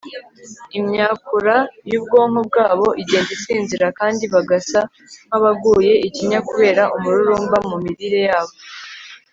imyakura y'ubwonko bwabo igenda isinzira kandi bagasa nk'abaguye ikinya kubera umururumba mu mirire yabo